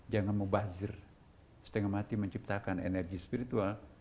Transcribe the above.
jangan membazir setengah mati menciptakan energi spiritual